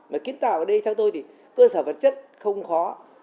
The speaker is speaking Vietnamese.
mà kiến tạo ở đây theo tôi thì cơ sở vật chất không khó